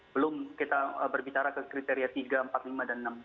belum kita berbicara ke kriteria tiga empat lima dan enam